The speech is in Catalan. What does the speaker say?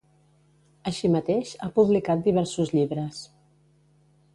Així mateix, ha publicat diversos llibres.